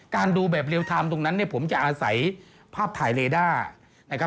การดูแบบเรียลไทม์ตรงนั้นผมจะอาศัยภาพถ่ายเรด้า